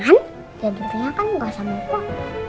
tidurnya kan ga sama kok